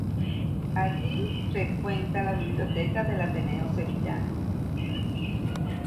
Allí frecuenta la biblioteca del Ateneo sevillano.